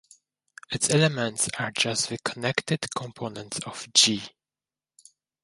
Its elements are just the connected components of "G".